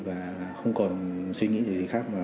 và không còn suy nghĩ gì khác